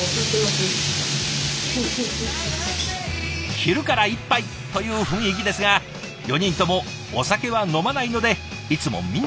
昼から一杯という雰囲気ですが４人ともお酒は飲まないのでいつもみんなでコーラ。